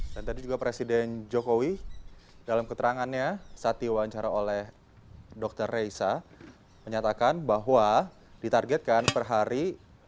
dan tadi juga presiden jokowi dalam keterangannya saat diwawancara oleh dr reza menyatakan bahwa ditargetkan per hari